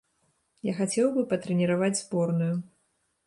Я хацеў бы патрэніраваць зборную.